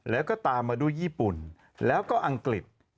แล้วก็ตามมาด้วยญี่ปุ่นแล้วก็อังกฤษ